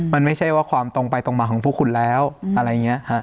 มันไม่ใช่ว่าความตรงไปตรงมาของพวกคุณแล้วอะไรอย่างนี้ฮะ